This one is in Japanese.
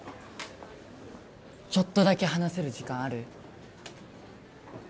ちょっとだけ話せる時間ある？